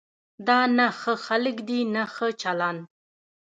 دا نه ښه خلک دي نه ښه چلند.